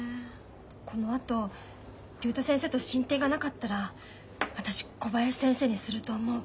このあと竜太先生と進展がなかったら私小林先生にすると思う。